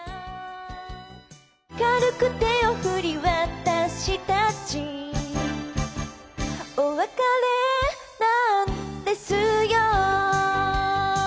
「軽く手を振り私達お別れなんですよ」